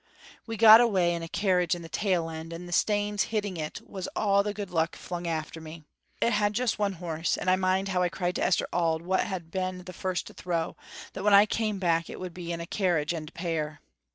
"We got awa' in a carriage in the tail end, and the stanes hitting it was all the good luck flung after me. It had just one horse, and I mind how I cried to Esther Auld, wha had been the first to throw, that when I came back it would be in a carriage and pair.